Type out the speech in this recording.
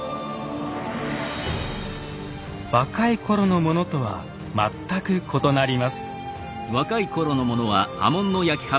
若いころのものとは全く異なります。